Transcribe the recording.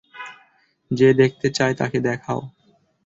যে দেখতে চায় তাকে দেখাও!